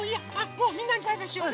もうみんなにバイバイしよう！